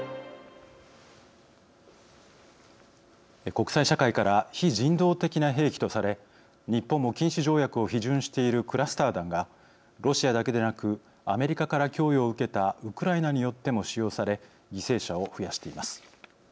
国際社会から非人道的な兵器とされ日本も禁止条約を批准しているクラスター弾がロシアだけでなくアメリカから供与を受けたウクライナによっても使用され犠牲者を増やしています。